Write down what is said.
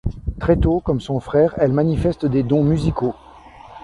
Très tôt, comme son frère, elle manifeste des dons musicaux.